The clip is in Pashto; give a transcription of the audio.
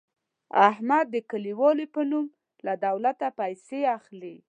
احمد د کلیوالو په نوم له دولته پیسې اخلي.